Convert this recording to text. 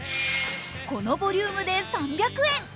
このボリュームで３００円。